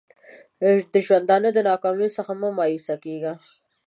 د ژوندانه د ناکامیو څخه مه مایوسه کېږه!